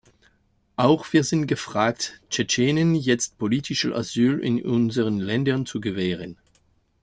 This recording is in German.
Auch wir sind gefragt, Tschetschenen jetzt politisches Asyl in unseren Ländern zu gewähren.